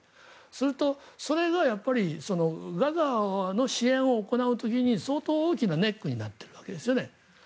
それと、それがガザの支援を行う時に相当大きなネックになっているわけですよね。